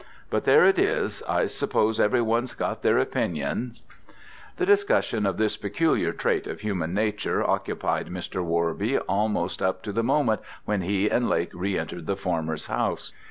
But there it is, I suppose every one's got their opinions." The discussion of this peculiar trait of human nature occupied Mr. Worby almost up to the moment when he and Lake re entered the former's house.